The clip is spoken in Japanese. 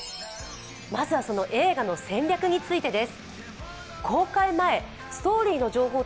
まずは映画の戦略についてです。